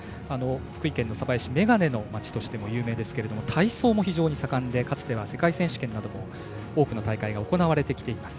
福井県の鯖江市めがねの町として有名で体操も盛んで、かつては世界選手権なども多くの大会が行われてきています。